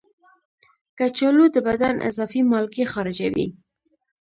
کچالو د بدن اضافي مالګې خارجوي.